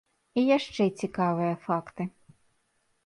І яшчэ цікавыя факты.